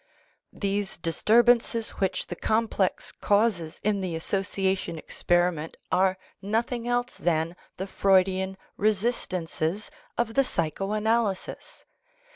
These disturbances which the complex causes in the association experiment are nothing else than the Freudian " resistances " of the psycho analysis."